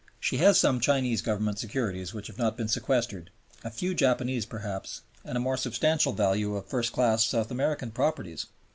She has some Chinese Government securities which have not been sequestered, a few Japanese perhaps, and a more substantial value of first class South American properties.